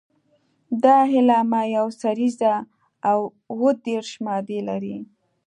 دا اعلامیه یوه سريزه او دېرش مادې لري.